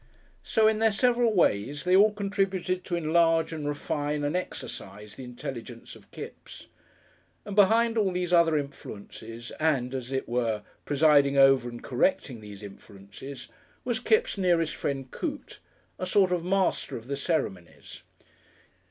So in their several ways they all contributed to enlarge and refine and exercise the intelligence of Kipps. And behind all these other influences, and, as it were, presiding over and correcting these influences, was Kipps' nearest friend, Coote, a sort of master of the ceremonies.